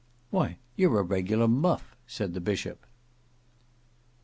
"Why, you're a regular muff!" said the bishop.